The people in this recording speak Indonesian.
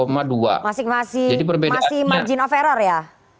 masih masih masih margin of error ya